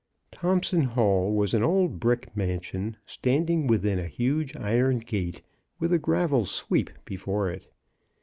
Thompson Hall was an old brick mansion, stand ing within a huge iron gate, with a gravel sweep before it.